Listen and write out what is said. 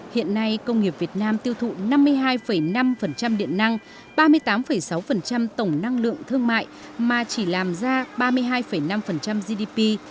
hiện nay công nghiệp việt nam tiêu thụ năm mươi hai năm điện năng ba mươi tám sáu tổng năng lượng thương mại mà chỉ làm ra ba mươi hai năm gdp